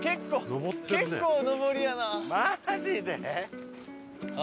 結構上りやなあ。